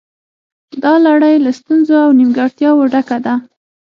دا لړۍ له ستونزو او نیمګړتیاوو ډکه ده